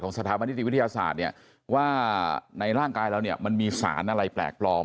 ของสถาบันทิศวิทยาศาสตร์ว่าในร่างกายเรามีสารอะไรแปลกปลอม